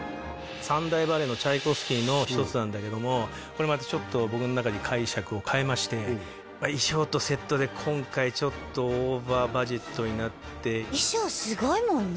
三大バレエのチャイコフスキーの一つなんだけどもこれまたちょっと僕の中で解釈を変えまして衣装とセットで今回ちょっとオーバーバジェットになって衣装すごいもんね